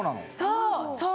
・そうそう。